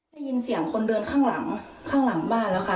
ได้ยินเสียงคนเดินข้างหลังข้างหลังบ้านแล้วค่ะ